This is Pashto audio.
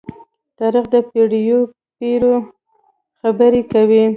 تاریخ د پېړيو پېړۍ خبرې کوي.